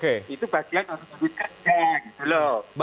itu bagian untuk dikejek